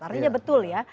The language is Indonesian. artinya betul ya